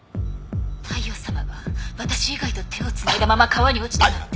大陽さまが私以外と手をつないだまま川に落ちたなんて。